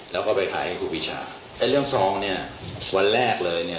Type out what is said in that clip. แล้วก็ไปขายให้ครูปีชาไอ้เรื่องซองเนี่ยวันแรกเลยเนี่ย